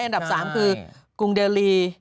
อันดับ๓คือกรุงเดลลี